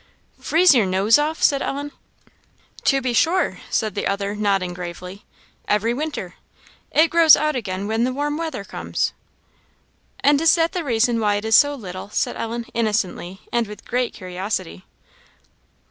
"Freeze your nose off!" said Ellen. "To be sure," said the other, nodding gravely "every winter; it grows out again when the warm weather comes." "And is that the reason why it is so little?" said Ellen, innocently, and with great curiosity.